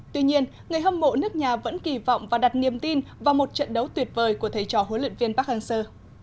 tuy nhiên người hâm mộ nước nhà vẫn kỳ vọng và đặt niềm tin vào một trận đấu tuyệt vời của thầy trò huấn luyện viên park hang seo